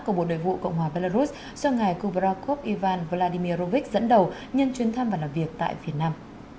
của bộ nội vụ cộng hòa belarus do ngài kubrakov ivan vladimirovic dẫn đầu nhân chuyên thăm và làm việc tại việt nam